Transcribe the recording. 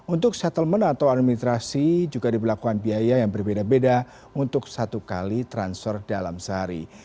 untuk settlement atau administrasi juga diberlakukan biaya yang berbeda beda untuk satu kali transfer dalam sehari